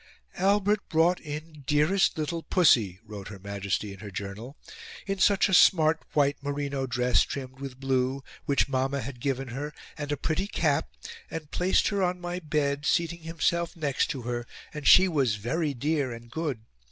"Albert brought in dearest little Pussy," wrote Her Majesty in her journal, "in such a smart white merino dress trimmed with blue, which Mamma had given her, and a pretty cap, and placed her on my bed, seating himself next to her, and she was very dear and good.